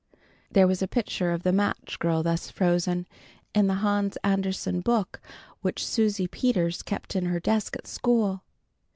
There was a picture of the Match Girl thus frozen, in the Hans Andersen book which Susie Peters kept in her desk at school.